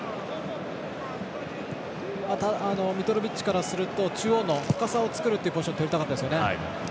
ミトロビッチからすると中央の高さを作るっていうポジションを取りたかったですね。